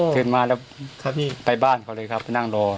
ขึ้นมาแล้วไปบ้านเขาเลยครับไปนั่งรอ